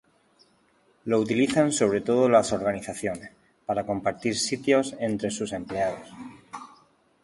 Lo utilizan sobre todo las organizaciones, para compartir sitios entre sus empleados.